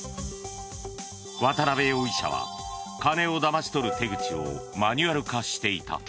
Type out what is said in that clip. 渡邊容疑者は金をだまし取る手口をマニュアル化していた。